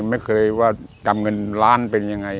ไม่เคยว่าจำเงินล้านเป็นยังไง